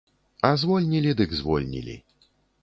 А звольнілі, дык звольнілі!